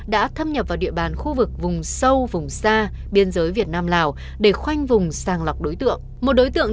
đã thâm nhập vào địa bàn khu vực vùng sâu vùng xa biên giới việt nam lào để khoanh vùng sàng lọc đối tượng